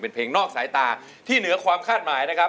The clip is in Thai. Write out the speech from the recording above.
เป็นเพลงนอกสายตาที่เหนือความคาดหมายนะครับ